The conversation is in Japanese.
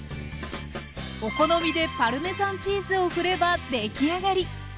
お好みでパルメザンチーズを振ればできあがり！